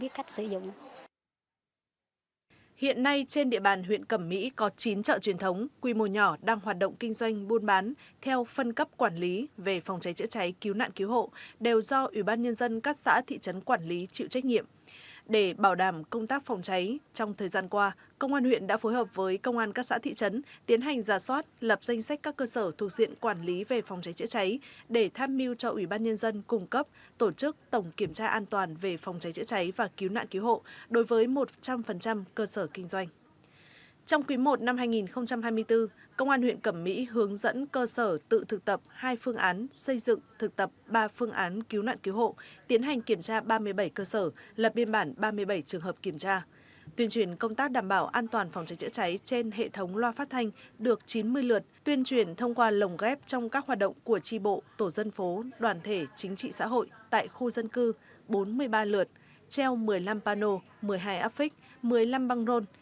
tuyên truyền thông qua lồng ghép trong các hoạt động của tri bộ tổ dân phố đoàn thể chính trị xã hội tại khu dân cư bốn mươi ba lượt treo một mươi năm pano một mươi hai affix một mươi năm băng rôn